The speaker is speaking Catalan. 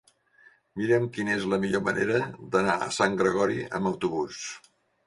Mira'm quina és la millor manera d'anar a Sant Gregori amb autobús.